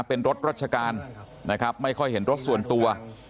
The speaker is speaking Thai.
เป็นรถรัชการนะครับไม่ค่อยเห็นรถส่วนตัว